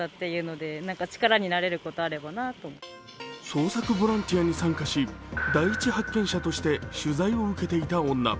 捜索ボランティアに参加し第一発見者として取材を受けていた女。